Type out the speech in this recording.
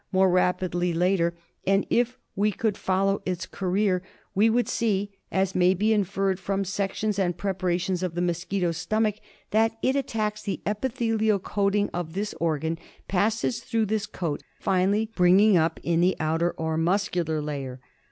more rapidly later ; and if we could follow its career we would see, as may be inferred from sections and prepara tions of the mosquito's stomach, that it attacks the epithelial coating of this organ, passes through this coat, finally bringing up in the outer or muscular layer.